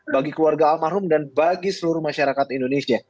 bagi keluarga almarhum dan bagi seluruh masyarakat indonesia